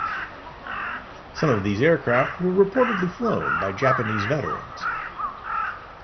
Some of these aircraft were reportedly flown by Japanese veterans.